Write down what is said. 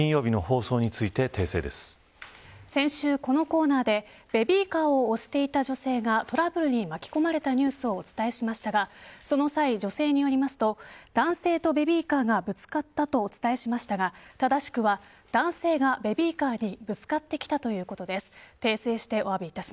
まずは先週金曜日の放送について先週、このコーナーでベビーカーを押していた女性がトラブルに巻き込まれたニュースをお伝えしましたがその際、女性によりますと男性とベビーカーがぶつかったとお伝えしましたが正しくは、男性がベビーカーにぶつかってきたということです。